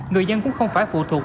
người dân cũng không phải phụ thuộc